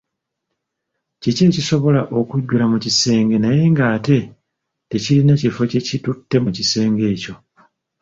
Kiki ekisobola okujjula mu kisenge naye ate nga tekirina kifo kye kitutte mu kisenge ekyo?